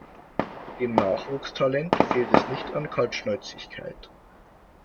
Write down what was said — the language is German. Dem Nachwuchstalent fehlt es nicht an Kaltschnäuzigkeit.